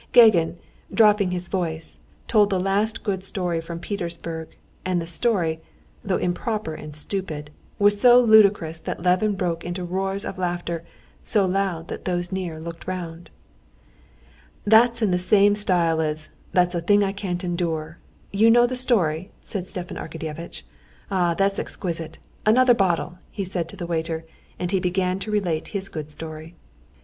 Gagin, dropping his voice, told the last good story from Petersburg, and the story, though improper and stupid, was so ludicrous that Levin broke into roars of laughter so loud that those near looked round. "That's in the same style as, 'that's a thing I can't endure!' You know the story?" said Stepan Arkadyevitch. "Ah, that's exquisite! Another bottle," he said to the waiter, and he began to relate his good story.